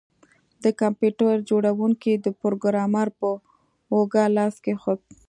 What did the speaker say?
د کمپیوټر جوړونکي د پروګرامر په اوږه لاس کیښود